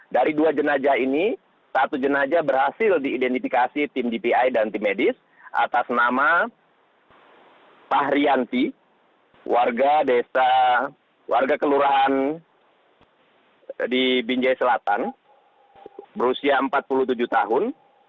dari dua jenazah ini satu jenazah berhasil diidentifikasi tim dpi dan tim medis atas nama fahrianti warga desa warga kelurahan di binjai selatan berusia empat puluh tujuh tahun